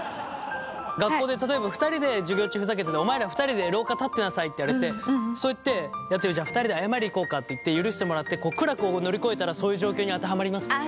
学校で例えば２人で授業中ふざけててお前ら２人で廊下立ってなさいって言われてそうやってやってじゃあ２人で謝りに行こうかっていって許してもらって苦楽を乗り越えたらそういう状況に当てはまりますか？